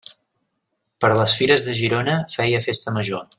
Per les Fires de Girona feia festa major.